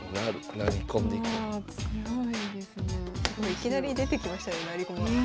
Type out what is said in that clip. いきなり出てきましたね成り駒。